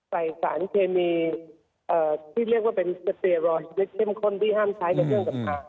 ใส่สารเคมีที่เรียกเป็นสเตรอยดับเช่มข้นถึงห้ามใช้แต่งเกินกับภาพ